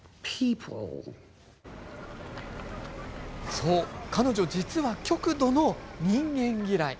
実は、彼女は極度の人間嫌い。